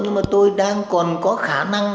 nhưng mà tôi đang còn có khả năng